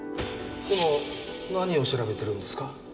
でも何を調べてるんですか？